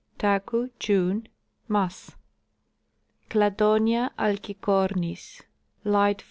Taku, June. Mass. Cladonia alcicornis, (Lightf.)